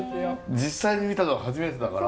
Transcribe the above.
実際に見たの初めてだから。